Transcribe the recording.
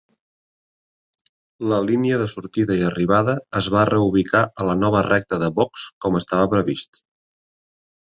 La línia de sortida i arribada es va reubicar a la nova recta de boxs com estava previst.